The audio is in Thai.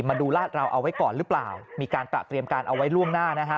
มาดูลาดเราเอาไว้ก่อนหรือเปล่ามีการตระเตรียมการเอาไว้ล่วงหน้านะฮะ